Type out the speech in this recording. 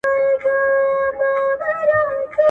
خدیجې له کړکۍ څخه بهر لغړو ونو ته کتل.